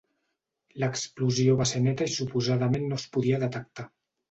L'explosió va ser neta i suposadament no es podia detectar.